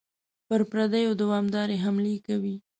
پر پردیو دوامدارې حملې کوي.